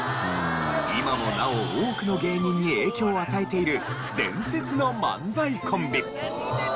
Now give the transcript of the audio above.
今もなお多くの芸人に影響を与えている伝説の漫才コンビ。